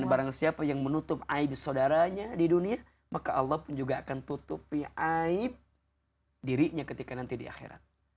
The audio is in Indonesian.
dan barangsiapa yang menutup aib saudaranya di dunia maka allah pun juga akan tutupi aib dirinya ketika nanti di akhirat